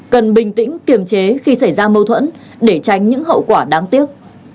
cần bình tĩnh kiềm chế khi xảy ra mâu thuẫn để tránh những hậu quả đáng tiếc